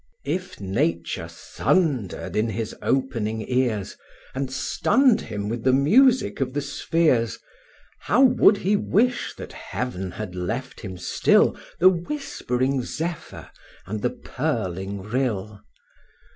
If Nature thundered in his opening ears, And stunned him with the music of the spheres, How would he wish that Heaven had left him still The whispering zephyr, and the purling rill?